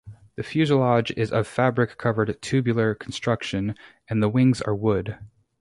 The fuselage is of fabric-covered tubular construction and the wings are wood.